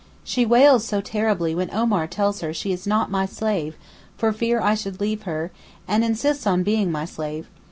She wails so terribly when Omar tells her she is not my slave, for fear I should leave her, and insists on being my slave.